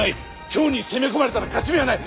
京に攻め込まれたら勝ち目はない。